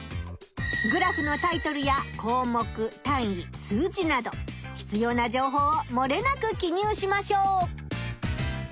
グラフのタイトルやこうもく単位数字などひつような情報をもれなく記入しましょう！